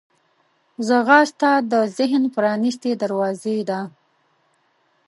ځغاسته د ذهن پرانستې دروازې ده